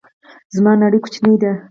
زما نړۍ کوچنۍ ده